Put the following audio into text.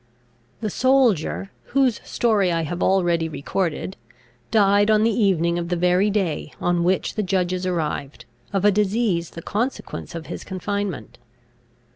The soldier, whose story I have already recorded, died on the evening of the very day on which the judges arrived, of a disease the consequence of his confinement.